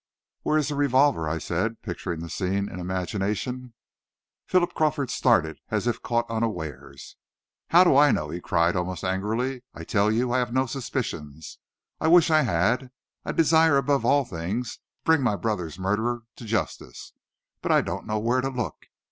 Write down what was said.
"Where is the revolver?" I said, picturing the scene in imagination. Philip Crawford started as if caught unawares. "How do I know?" he cried, almost angrily. "I tell you, I have no suspicions. I wish I had! I desire, above all things, to bring my brother's murderer to justice. But I don't know where to look.